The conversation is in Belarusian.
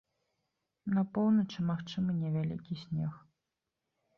На поўначы магчымы невялікі снег.